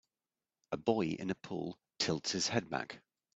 A boy in a pool tilts his head back.